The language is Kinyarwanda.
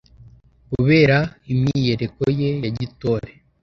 Kubera imyiyereko ye ya gitore